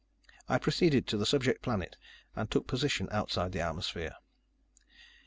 I proceeded to the subject planet and took position outside the atmosphere.